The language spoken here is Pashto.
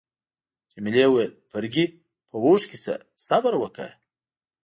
جميلې وويل: فرګي، په هوښ کي شه، صبر وکړه.